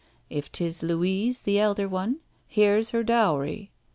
If 'tis Louise, the elder one, here's her dowry.'